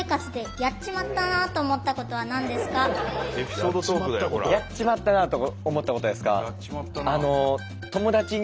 やっちまったなと思ったことですか。